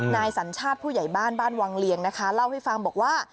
สัญชาติผู้ใหญ่บ้านบ้านวังเลียงนะคะเล่าให้ฟังบอกว่า